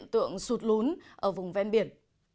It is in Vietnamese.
tượng sụt lún ở vùng ven biển